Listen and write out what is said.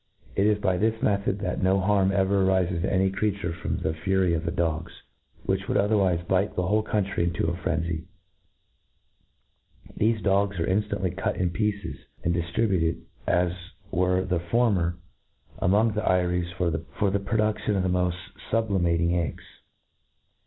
Ijt is by this method that no liarm ever arifcs to my creature from the fury rf the dogs, which would otherwifc bite the ^hol^ country mto 5t frenzy. Th^fe dogs arc > jWUntly t:ut in pieces, arid diftribated, as wete Jthe former, anpbong the eyries, for the produdioij of the moft fublimating eggs.